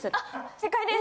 正解です。